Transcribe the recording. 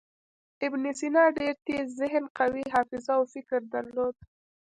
ابن سینا ډېر تېز ذهن، قوي حافظه او فکر درلود.